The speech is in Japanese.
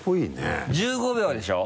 １５秒でしょ？